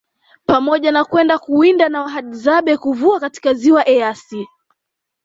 Pamoja na kwenda kuwinda na wahadzabe Kuvua katika Ziwa Eyasi